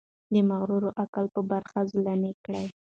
د مغرور عقل په برخه زولنې کړي.